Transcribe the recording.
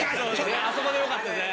あそこでよかったですね。